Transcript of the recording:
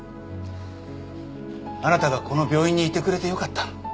あなたがこの病院にいてくれてよかった。